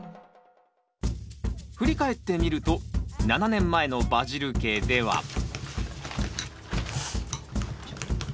振り返ってみると７年前のバジル家では。